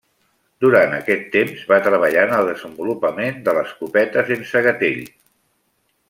Durant aquest temps, va treballar en el desenvolupament de l'escopeta sense gatell.